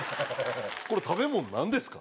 これ食べ物なんですか？